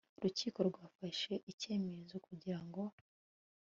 rukiko rwafashe icyemezo kugira ngo